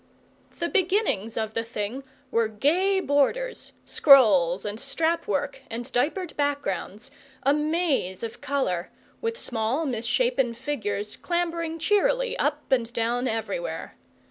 The beginnings of the thing were gay borders scrolls and strap work and diapered backgrounds, a maze of colour, with small misshapen figures clambering cheerily up and down everywhere.